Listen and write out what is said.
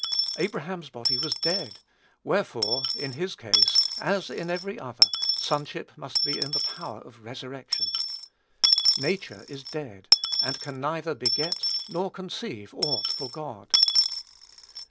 Abraham's body was "dead;" wherefore, in his case, as in every other, sonship must be in the power of resurrection. Nature is dead, and can neither beget nor conceive aught for God.